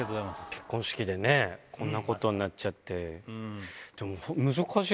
結婚式でねこんなことになっちゃって。